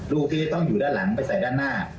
ลูกที่จะต้องอยู่ด้านหลังไปใส่ด้านหน้า